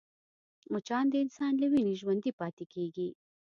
مچان د انسان له وینې ژوندی پاتې کېږي